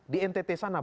di ntt sana